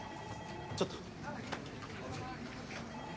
ちょっと。